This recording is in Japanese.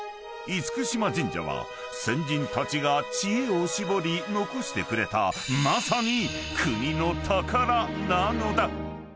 ［嚴島神社は先人たちが知恵を絞り残してくれたまさに］